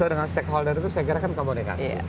so dengan stakeholder itu saya gerakan komunikasi